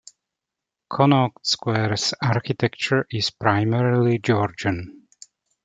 Connaught Square's architecture is primarily Georgian.